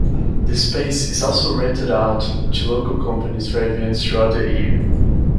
The space is also rented out to local companies for events throughout the year.